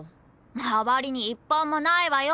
まわりに１本もないわよ